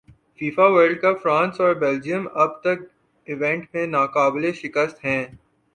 FIFA world cup France اور Belgium اب تک ایونٹ میں ناقابل شکست ہیں